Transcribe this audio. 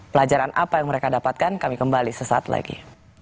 pelajaran apa yang mereka dapatkan kami kembali sesaat lagi